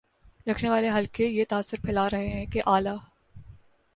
رکھنے والے حلقے یہ تاثر پھیلا رہے ہیں کہ اعلی